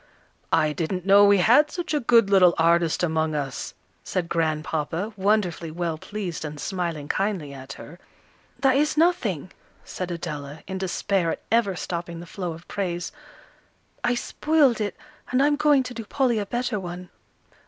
"I didn't know we had such a good little artist among us," said Grandpapa, wonderfully well pleased and smiling kindly at her. "That is nothing," said Adela, in despair at ever stopping the flow of praise. "I spoiled it, and I'm going to do Polly a better one."